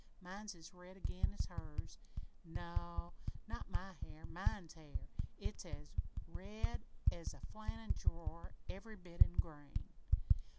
Mine's as red again as hers. No, not my hair mine's hair. It's as red as a flannen drawer, every bit an' grain!